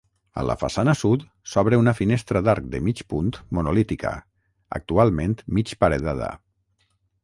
A la façana sud, s'obre una finestra d'arc de mig punt monolítica, actualment mig paredada.